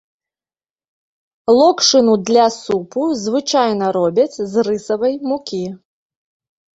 Локшыну для супу звычайна робяць з рысавай мукі.